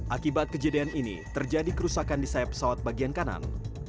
akibat kejadian ini terjadi kerusakan di sayap pesawat bagian kanan